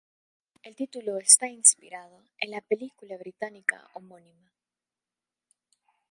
El título está inspirado en la película Británica homónima.